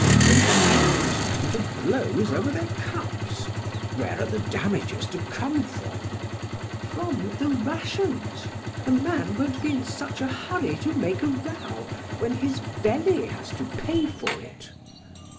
When fellows come to blows over their cups, where are the damages to come from? PRAX. From the rations! A man won't be in such a hurry to make a row when his belly has to pay for it.